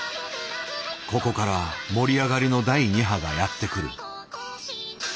ここから盛り上がりの第２波がやってくる。